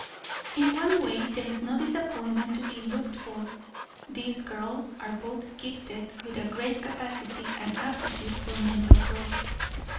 "In one way there is no disappointment to be looked for. These girls are both gifted with a great capacity and aptitude for mental growth.